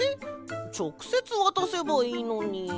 ちょくせつわたせばいいのに。